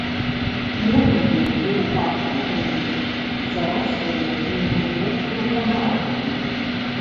Могільнік быў абкопаны зарослаю, неглыбокаю канаўкаю.